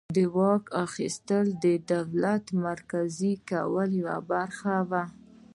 د واک اخیستل د دولت مرکزي کولو یوه برخه وه.